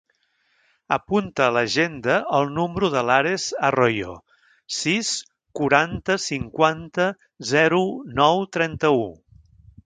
Apunta a l'agenda el número de l'Ares Arroyo: sis, quaranta, cinquanta, zero, nou, trenta-u.